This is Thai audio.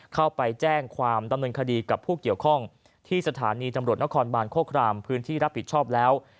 เข้าไปแจ้งความดำเนินคดีกับผู้เกี่ยวข้องที่สถานีตำรวจนครบานโคครามพื้นที่รับผิดชอบแล้ว